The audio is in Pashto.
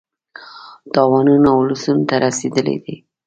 تاوانونه اولسونو ته رسېدلي دي.